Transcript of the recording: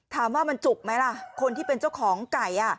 ถามว่ามันจุกไหมล่ะคนที่เป็นเจ้าของไก่